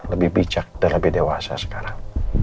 lebih bijak dan lebih dewasa sekarang